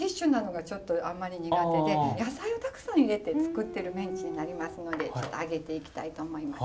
野菜をたくさん入れて作ってるメンチになりますので揚げていきたいと思います。